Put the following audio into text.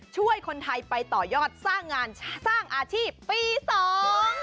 ช่วยคนไทยไปต่อยอดสร้างงานสร้างอาชีพปีสอง